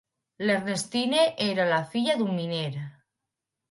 Ernestine era la filla d'un miner.